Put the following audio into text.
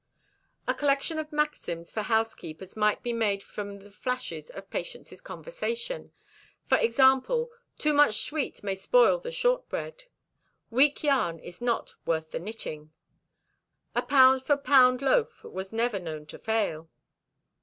A collection of maxims for housekeepers might be made from the flashes of Patience's conversation. For example: "Too much sweet may spoil the short bread." "Weak yarn is not worth the knitting." "A pound for pound loaf was never known to fail."